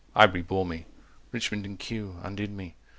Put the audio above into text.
Highbury bore me. Richmond and Kew Undid me.